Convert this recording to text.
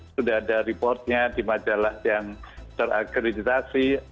sudah ada reportnya di majalah yang terakreditasi